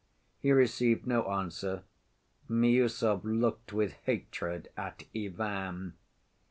He received no answer. Miüsov looked with hatred at Ivan.